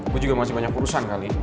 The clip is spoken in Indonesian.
gue juga masih banyak urusan kali